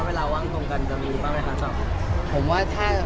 เวลาว่างตรงกันจะมีปะไหมคะสำ